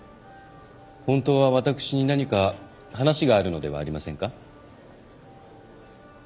本当は私に何か話があるのではありませんか？